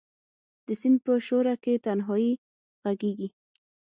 د سیند په شو رکې تنهایې ږغیږې